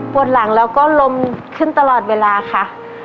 หลังแล้วก็ลมขึ้นตลอดเวลาค่ะ